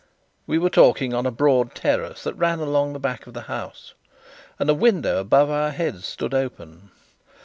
We were talking on a broad terrace that ran along the back of the house, and a window above our heads stood open.